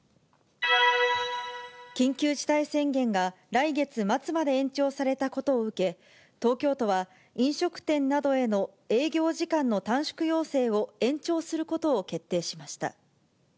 緊急事態宣言が来月末まで延長されたことを受け、東京都は飲食店などへの営業時間の短縮要請を延長することを決定しました。